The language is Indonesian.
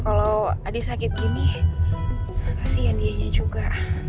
kalau adik sakit gini kasihan dianya juga